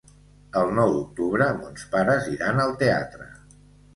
El nou d'octubre mons pares iran al teatre.